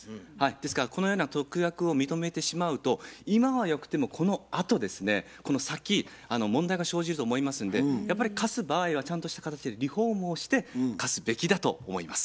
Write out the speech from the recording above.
ですからこのような特約を認めてしまうと今はよくてもこのあとですねこの先問題が生じると思いますんでやっぱり貸す場合はちゃんとした形でリフォームをして貸すべきだと思います。